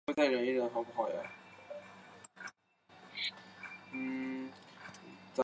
财政部长宫是位于波兰首都华沙银行广场的一座宫殿建筑。